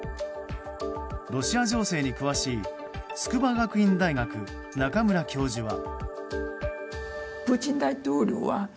ロシア情勢に詳しい筑波学院大学、中村教授は。